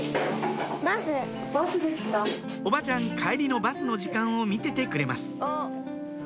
おばちゃん帰りのバスの時間を見ててくれます